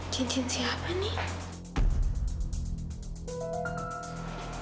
cincin siapa nih